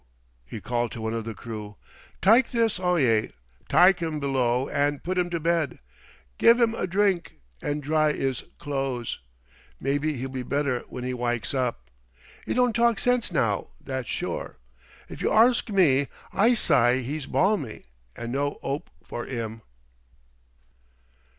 he called to one of the crew. "Tyke this awye tyke 'im below and put 'im to bed; give 'im a drink and dry 'is clo's. Mebbe 'e'll be better when 'e wykes up. 'E don't talk sense now, that's sure. If you arsk me, I sye 'e's balmy and no 'ope for 'im."